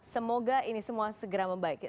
semoga ini semua segera membaik